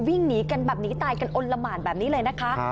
วิ่งหนีกันแบบนี้ตายกันอ้นละหมานแบบนี้เลยนะคะ